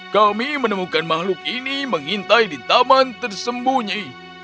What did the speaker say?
kami menemukan makhluk ini mengintai di taman tersembunyi